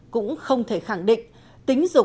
cũng không thể khẳng định